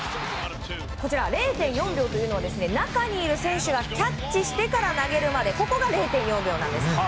こちら０．４秒というのは中にいる選手がキャッチしてから投げるまでが０．４秒なんです。